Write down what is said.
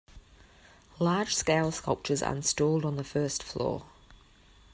Large-scale sculptures are installed on the first floor.